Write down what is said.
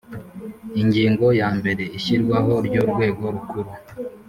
Ingingo ya mbere Ishyirwaho ry’Urwego rukuru